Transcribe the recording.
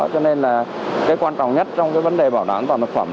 cho nên là cái quan trọng nhất trong cái vấn đề bảo đảm an toàn thực phẩm